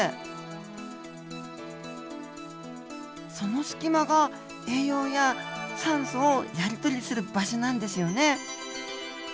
その隙間が栄養や酸素をやり取りする場所なんですよね。